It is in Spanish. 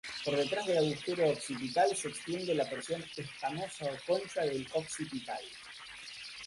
Por detrás del agujero occipital se extiende la porción escamosa o concha del occipital.